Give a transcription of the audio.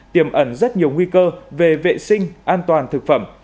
tiềm ẩn rất nhiều nguy cơ về vệ sinh an toàn thực phẩm